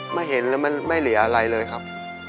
ไม่เห็นแล้วมันไม่เหลืออะไรเลยครับ